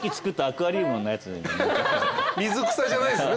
水草じゃないですね？